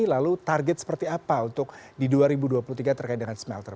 lalu target seperti apa untuk di dua ribu dua puluh tiga terkait dengan smelter